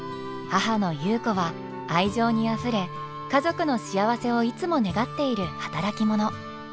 母の優子は愛情にあふれ家族の幸せをいつも願っている働き者。